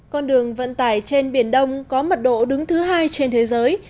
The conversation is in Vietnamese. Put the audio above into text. con đường vận tải trên biển đông có mật độ đứng thứ hai trên thế giới